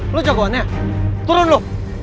lo jagoannya turun lo